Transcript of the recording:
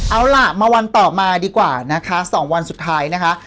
เอาล่ะมาวันต่อมาดีกว่านะคะ๒วันสุดท้ายนะคะ